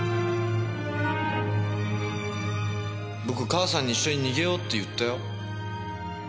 僕母さんに一緒に逃げようって言ったよ。